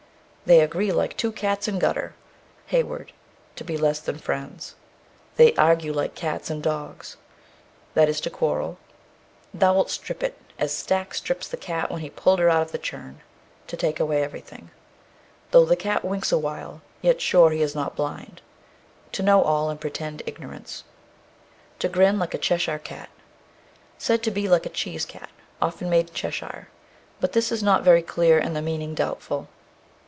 They agree like two cats in gutter. HEYWOOD. To be less than friends. They argue like cats and dogs. That is to quarrel. Thou'lt strip it, as Stack stripped the cat when he pulled her out of the churn. To take away everything. Though the cat winks awhile, yet sure he is not blind. To know all and pretend ignorance. To grin like a Cheshire cat. Said to be like a cheese cat, often made in Cheshire; but this is not very clear, and the meaning doubtful.